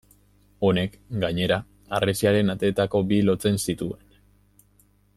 Honek, gainera, harresiaren ateetako bi lotzen zituen.